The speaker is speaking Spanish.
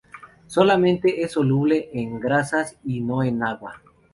Solamente es soluble en grasas y no en agua.